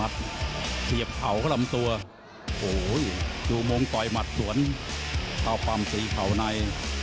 เทียบเข่ากล้ามตัวโอ้โหดูมงต่อยมัดสวนเต้าปำสีเข่าใน